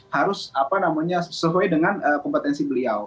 harus sesuai dengan kompetensi beliau